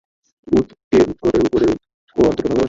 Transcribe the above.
উৎকটের উপরে ওর অন্তরের ভালোবাসা।